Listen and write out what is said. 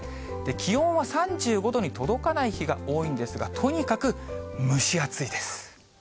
気温は３５度に届かない日が多いんですが、とにかく蒸し暑いです。